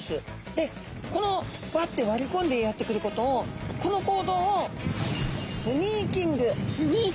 でこのバッて割りこんでやって来ることをこの行動をで